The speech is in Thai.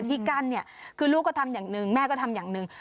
ที่กั้นเนี่ยคือลูกก็ทำอย่างหนึ่งแม่ก็ทำอย่างหนึ่ง